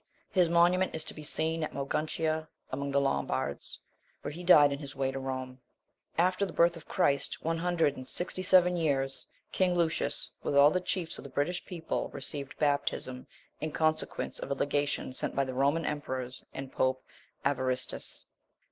His monument is to be seen at Moguntia (among the Lombards), where he died in his way to Rome. 22. After the birth of Christ, one hundred and sixty seven years, king Lucius, with all the chiefs of the British people, received baptism, in consequence of a legation sent by the Roman emperors and pope Evaristus.